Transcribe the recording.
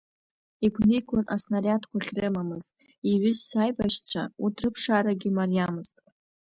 Игәнигон аснариадқәа ахьрымамыз иҩызцәа аибашьцәа, урҭ рыԥшаарагьы мариамызт.